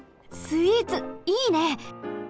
スイーツいいね！